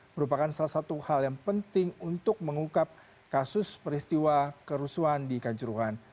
merupakan salah satu hal yang penting untuk mengungkap kasus peristiwa kerusuhan di kanjuruhan